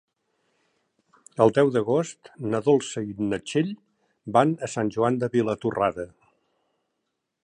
El deu d'agost na Dolça i na Txell van a Sant Joan de Vilatorrada.